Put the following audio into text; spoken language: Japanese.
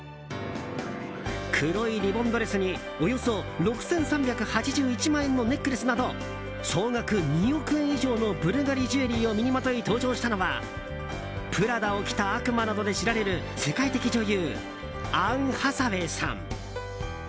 黒いリボンドレスにおよそ６３８１万円のネックレスなど総額２億円以上のブルガリジュエリーを身にまとい登場したのは「プラダを着た悪魔」などで知られる世界的女優アン・ハサウェイさん。